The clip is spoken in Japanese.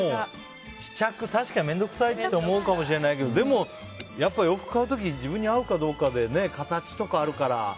試着、確かに面倒くさいと思うかもしれないけどでも、やっぱ洋服買う時自分に合うかどうかで形とかあるから。